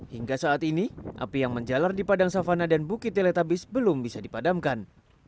hingga saat ini api yang menjalar di padang savana dan bukit teletabis belum bisa dipadamkan